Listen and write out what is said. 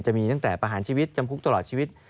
จะมีตั้งแต่ประหารชีวิตจำคุกตลอดชีวิต